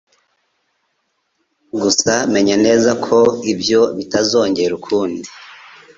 Gusa menya neza ko ibyo bitazongera ukundi.